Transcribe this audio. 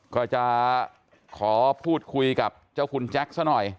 ก็จะขอพูดคุยกับเจ้าคุณแจ็คซะหน่อย